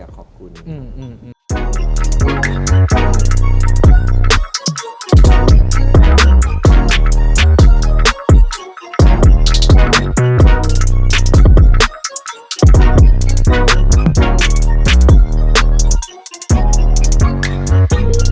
มันก็รู้สึกว่าเออขอบคุณนั่นแหละรู้สึกว่าเราอยากขอบคุณ